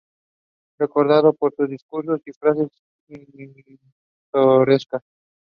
Beck had three daughters with Gordon Getty.